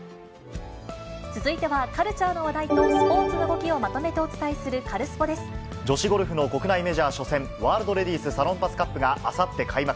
続いては、カルチャーの話題とスポーツの動きをまとめてお伝えするカルスポ女子ゴルフの国内メジャー初戦、ワールドレディスサロンパス・カップが、あさって開幕。